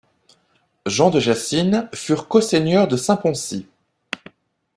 Jean de Jacynes furent coseigneurs de Saint-Poncy.